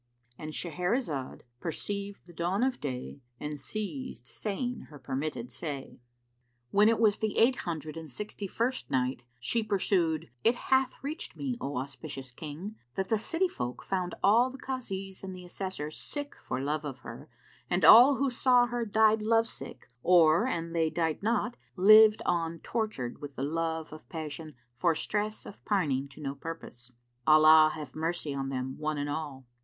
— And Shahrazad perceived the dawn of day and ceased saying her permitted say. When it was the Eight Hundred and Sixty first Night, She pursued, It hath reached me, O auspicious King, that the city folk found all the Kazis and the Assessors sick for love of her, and all who saw her died lovesick or, an they died not, lived on tortured with the lowe of passion for stress of pining to no purpose—Allah have mercy on them one and all!